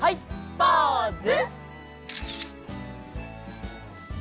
ポーズ！